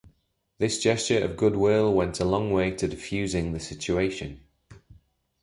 This gesture of goodwill went a long way to defusing the situation.